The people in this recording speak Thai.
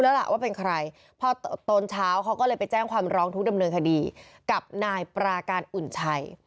แล้วล่ะว่าเป็นใครพอตอนเช้าเขาก็เลยไปแจ้งความร้องทุกข์ดำเนินคดีกับนายปราการอุ่นชัย